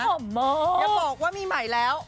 อย่าบอกว่ามีใหม่แล้ว